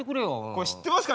これ知ってますか？